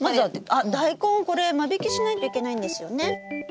あダイコンこれ間引きしないといけないんですよね？